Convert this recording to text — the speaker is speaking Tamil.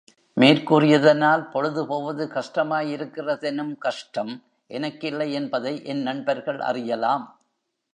மேற்கூறியதனால், பொழுது போவது கஷ்டமாயிருக்கிறதெனும் கஷ்டம் எனக்கில்லை என்பதை என் நண்பர்கள் அறியலாம்.